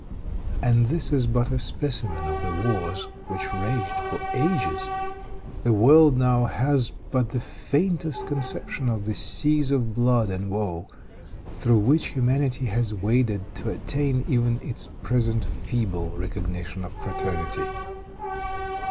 And this is but a specimen of the wars which raged for ages. The world now has but the faintest conception of the seas of blood and woe through which humanity has waded to attain even its present feeble recognition of fraternity.